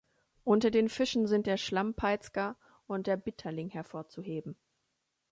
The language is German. Unter den Fischen sind der Schlammpeitzger und der Bitterling hervorzuheben.